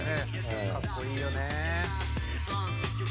かっこいいよね。